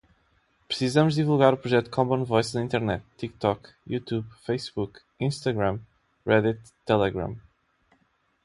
Precisamos divulgar o projeto commonvoice na internet, tiktok, youtube, facebook, instagram, reddit, telegram